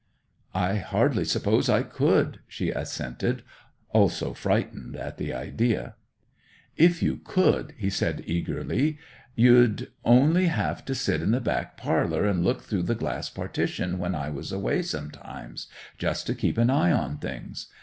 'I hardly suppose I could!' she assented, also frightened at the idea. 'If you could,' he said eagerly, 'you'd on'y have to sit in the back parlour and look through the glass partition when I was away sometimes—just to keep an eye on things.